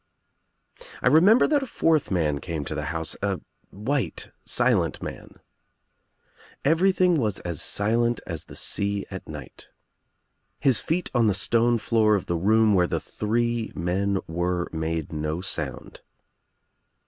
I remember that a fourth man came to the house, a white silent man. Everything was as silent as the sea at night. His feet on the stone floor of the room where the three men were made no sound.